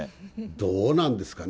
どうなんですかね。